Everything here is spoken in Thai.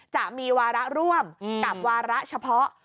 จะมีวาระร่วมกับวาระเฉพาะ